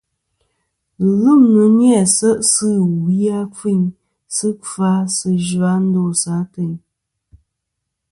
Ghɨlûmnɨ ni-a se' sɨ ɨwi a kfiyn sɨ kfa sɨ zha ndosɨ ateyn.